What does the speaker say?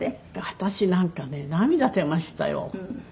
私なんかね涙出ましたよ。